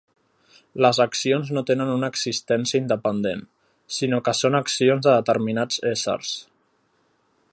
Les accions no tenen una existència independent, sinó que són accions de determinats éssers.